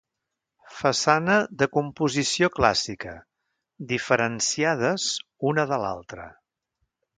Façana de composició clàssica, diferenciades una de l'altra.